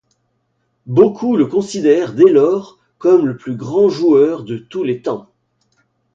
Beaucoup le considèrent dès lors comme le plus grand joueur de tous les temps.